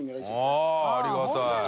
△ありがたい。